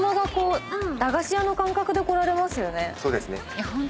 そうですね。